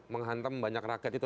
menghantam banyak rakyat itu